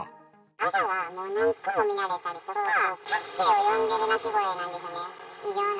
あざが何個も見られたりとか、助けを呼んでる泣き声なんですよね。